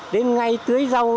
đến ngày tưới rau